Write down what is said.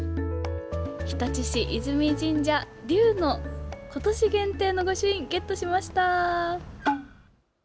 日立市泉神社龍の今年限定の御朱印ゲットしました。